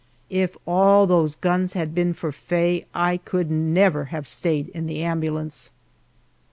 If all those guns had been for Faye I could never have stayed in the ambulance.